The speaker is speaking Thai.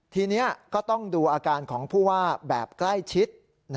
ทีนี้ก็ต้องดูอาการของผู้ว่าแบบใกล้ชิด